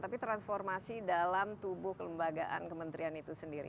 tapi transformasi dalam tubuh kelembagaan kementerian itu sendiri